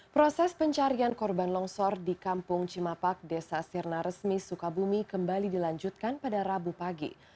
proses pencarian korban longsor di kampung cimapak desa sirna resmi sukabumi kembali dilanjutkan pada rabu pagi